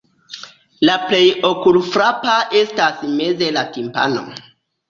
La plej okulfrapa estas meze la timpano.